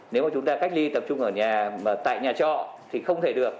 nếu mà chúng ta cách ly tập trung ở nhà mà tại nhà trọ thì không thể được